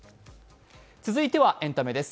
続いてはエンタメです。